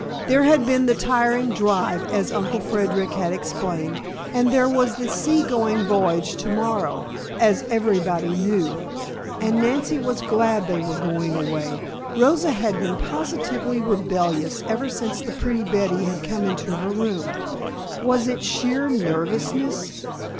There had been the tiring drive, as Uncle Frederic had explained, and there was the sea going voyage to morrow as everybody knew. And Nancy was glad they were going away. Rosa had been positively rebellious ever since the pretty Betty had come into her room. Was it sheer nervousness?